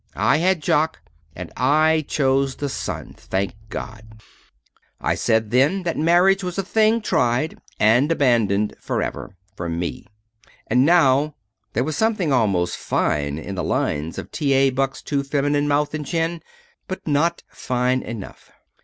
I had Jock, and I chose the sun, thank God! I said then that marriage was a thing tried and abandoned forever, for me. And now " There was something almost fine in the lines of T. A. Buck's too feminine mouth and chin; but not fine enough.